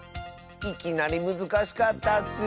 いきなりむずかしかったッス。